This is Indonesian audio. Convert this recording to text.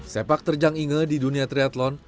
sepak terjang inge di dunia triathlon